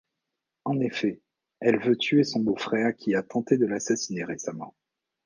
En effet, elle veut tuer son beau-frère qui a tenté de l’assassiner récemment.